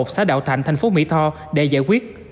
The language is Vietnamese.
ấp một xã đạo thạnh thành phố mỹ tho để giải quyết